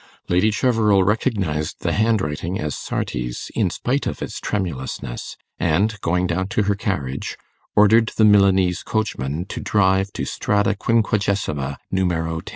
Lady Cheverel recognized the handwriting as Sarti's in spite of its tremulousness, and, going down to her carriage, ordered the Milanese coachman to drive to Strada Quinquagesima, Numero 10.